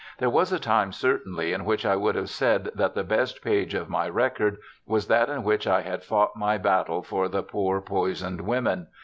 There was a time certainly in which I would have said that the best page of my record was that in which I had fought my battle for the poor poisoned women.